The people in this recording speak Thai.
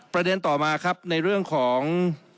ประเด็นต่อมาครับในเรื่องของ